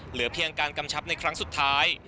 เหลือเพียงการกำชับในครั้งสุดท้าย